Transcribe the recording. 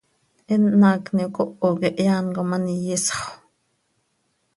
Eenm haacni ocoho quih hehe án com an iyisxö.